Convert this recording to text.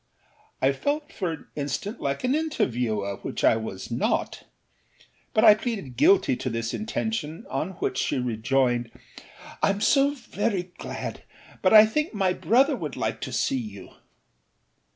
â I felt for the instant like an interviewer, which I was not. But I pleaded guilty to this intention, on which she rejoined: âIâm so very gladâbut I think my brother would like to see you.